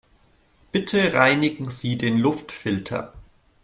Bitte reinigen Sie den Luftfilter.